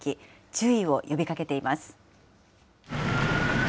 注意を呼びかけています。